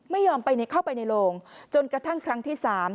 ไม่ยอมเข้าไปในโลงจนกระทั่งครั้งที่สาม